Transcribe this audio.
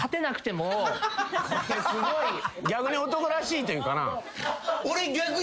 逆に男らしいというかな。